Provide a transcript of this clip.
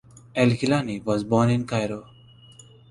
El Kilani was born in Cairo.